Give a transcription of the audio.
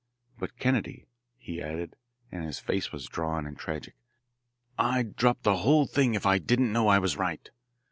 But, Kennedy," he added, and his face was drawn and tragic, "I'd drop the whole thing if I didn't know I was right.